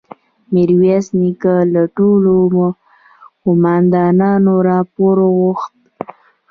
ميرويس نيکه له ټولو قوماندانانو راپور وغوښت.